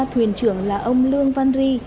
thuyền trưởng là ông lương văn ri